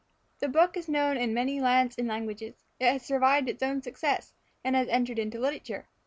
The book is known in many lands and languages. It has survived its own success, and has entered into literature.